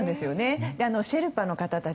シェルパの方たち